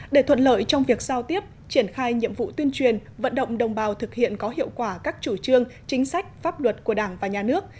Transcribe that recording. để thuận lợi trong việc giao tiếp triển khai nhiệm vụ tuyên truyền vận động đồng bào thực hiện có hiệu quả các chủ trương chính sách pháp luật của đảng và nhà nước